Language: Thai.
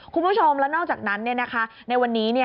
คุณผู้ชมแล้วนอกจากนั้นในวันนี้